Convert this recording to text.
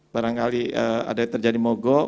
barangkali ada yang terjadi mogok